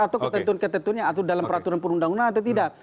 atau ketentunya atau dalam peraturan perundang undang atau tidak